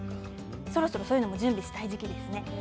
そろそろそういうものも準備したい時期ですね。